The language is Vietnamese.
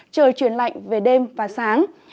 trời chuyển lạnh về đêm và sáng